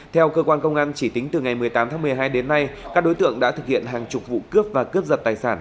theo cơ quan công an chỉ tính từ ngày một mươi tám tháng một mươi hai đến nay các đối tượng đã thực hiện hàng chục vụ cướp và cướp giật tài sản